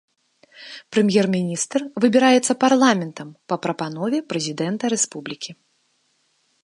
Прэм'ер-міністр выбіраецца парламентам па прапанове прэзідэнта рэспублікі.